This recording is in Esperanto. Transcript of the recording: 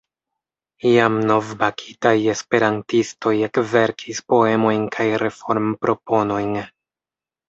Iam novbakitaj esperantistoj ekverkis poemojn kaj reformproponojn.